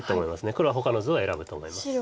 黒はほかの図を選ぶと思います。